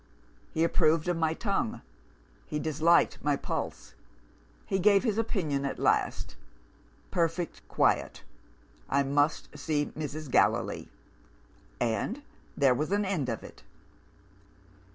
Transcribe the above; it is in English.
he approved of my tongue; he disliked my pulse; he gave his opinion at last. 'Perfect quiet. I must see Mrs. Gallilee.' And there was an end of it. "Mr.